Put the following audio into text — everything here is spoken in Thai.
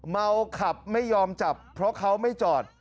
เมาขับไม่ยอมจับเพราะเขาไม่จอด